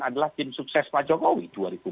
adalah tim sukses pak jokowi